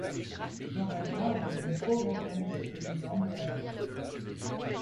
Jean Valjean était d’une pauvre famille de paysans de la Brie.